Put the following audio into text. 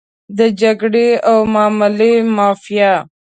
د جګړې او معاملې مافیا.